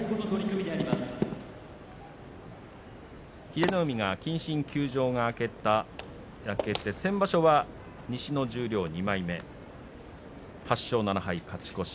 英乃海が謹慎休場が明けた場所で、先場所は西の十両２枚目８勝７敗で勝ち越し。